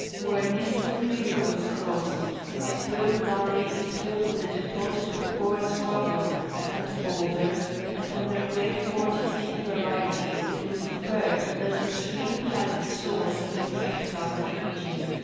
Where Nisling river was crossed its broad valley is filled with a deposit of coarse gravel and bowlders, and from their great quantity and variety it was inferred that the stream had its source in a drift covered region.